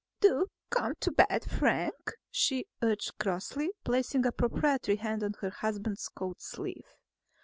"Do come to bed, Frank," she urged crossly, placing a proprietary hand on her husband's coat sleeve.